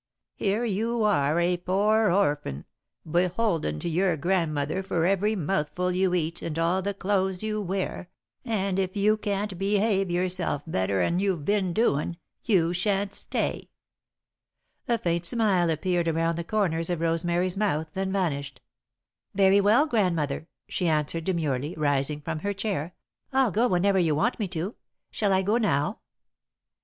Here you are a poor orphan, beholden to your grandmother for every mouthful you eat and all the clothes you wear, and if you can't behave yourself better 'n you've been doin', you shan't stay." A faint smile appeared around the corners of Rosemary's mouth, then vanished. "Very well, Grandmother," she answered, demurely, rising from her chair. "I'll go whenever you want me to. Shall I go now?"